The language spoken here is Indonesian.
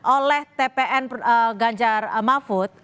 oleh tpn ganjar mahfud